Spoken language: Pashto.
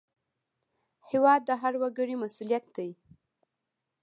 هېواد د هر وګړي مسوولیت دی